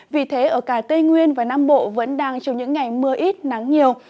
vì thế ở cả tây nguyên và nam bộ vẫn đang trong những ngày mưa ít nắng nhiều